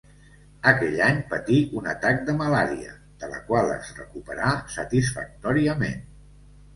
Aquell any patí un atac de malària de la qual es recuperà satisfactòriament.